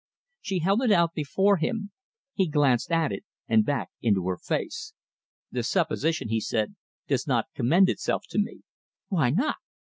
She held it out before him. He glanced at it and back into her face. "The supposition," he said, "does not commend itself to me." "Why not?"